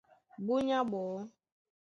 Búnyá ɓɔɔ́,